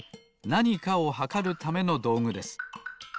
なにかをはかるためのどうぐです。